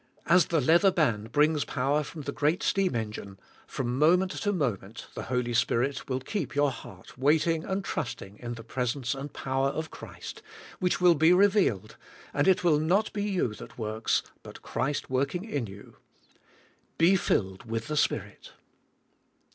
As the leather band brings power from the great steam engine, from moment to moment, the Holy Spirit will keep your heart waiting and trusting in 128 THK SPIRITUAI, WFE. the presence and power of Christ, which will be re vealed and it will not be jou that works but Christ working* in you. "Be filled with the Spirit."